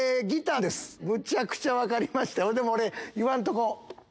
むちゃくちゃ分かりましたでも俺言わんとこ。